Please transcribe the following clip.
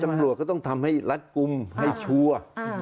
ตำรวจก็ต้องทำให้รัดกลุ่มให้ชัวร์